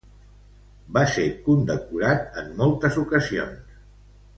Va ser condecorat en moltes ocasions.